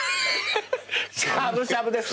しゃぶしゃぶです！